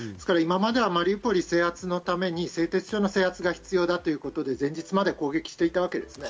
今までマリウポリ制圧のために製鉄所の制圧が必要だということで前日まで攻撃していたわけです。